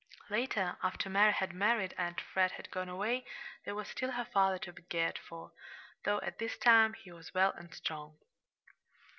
Later, after Mary had married and Fred had gone away, there was still her father to be cared for, though at this time he was well and strong.